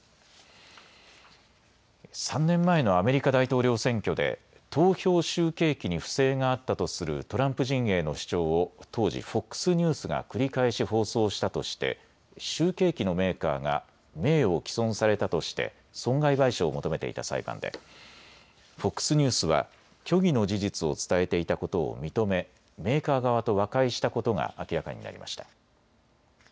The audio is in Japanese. ３年前のアメリカ大統領選挙で投票集計機に不正があったとするトランプ陣営の主張を当時、ＦＯＸニュースが繰り返し放送したとして集計機のメーカーが名誉を毀損されたとして損害賠償を求めていた裁判でＦＯＸニュースは虚偽の事実を伝えていたことを認めメーカー側と和解したことが明らかになりました。